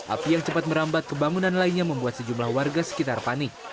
api yang cepat merambat ke bangunan lainnya membuat sejumlah warga sekitar panik